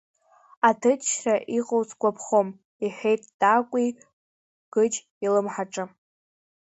Аҭынчра иҟоу сгәаԥхом, — иҳәеит Ҭакәи, Гыџь илымҳаҿы.